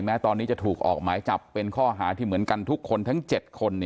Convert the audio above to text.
แม้ตอนนี้จะถูกออกหมายจับเป็นข้อหาที่เหมือนกันทุกคนทั้ง๗คน